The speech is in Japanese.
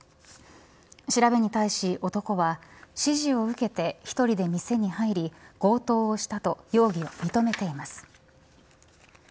調べに対し、男は指示を受けて１人で店に入り強盗をしたと容疑を認めています。